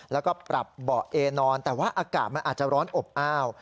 แล้วก็ปรับเบาะเอนอนแต่ว่าอากาศมันอาจจะร้อนอบอ้าว